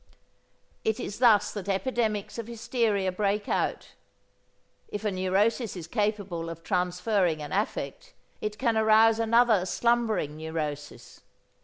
It is thus that epidemics of hysteria break out. If a neurosis is capable of transferring an affect, it can arouse another, slumbering neurosis.